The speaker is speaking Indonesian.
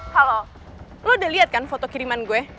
halo lo udah lihat kan foto kiriman gue